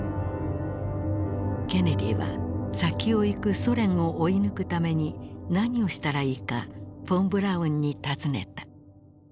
ケネディは先を行くソ連を追い抜くために何をしたらいいかフォン・ブラウンに尋ねた。